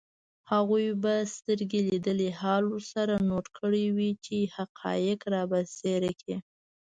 هغوی به سترګو لیدلی حال ورسره نوټ کړی وي چي حقایق رابرسېره کړي